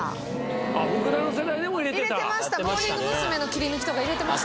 入れてました。